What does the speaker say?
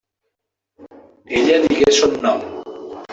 Ella digué son nom.